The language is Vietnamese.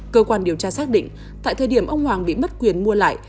cơ quan điều tra xác định tại thời điểm ông hoàng bị mất quyền mua lại